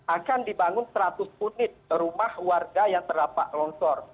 akan dibangun seratus unit rumah warga yang terdapat longsor